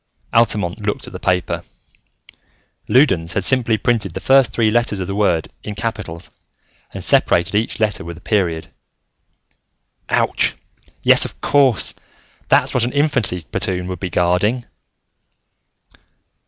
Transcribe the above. Altamont looked at the paper. Loudons had simply printed the first three letters of the word in capitals and separated each letter with a period. "Ouch! Yes, of course, that's what an infantry platoon would be guarding.